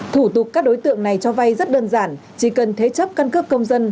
thủ tục các đối tượng này cho vay rất đơn giản chỉ cần thế chấp căn cước công dân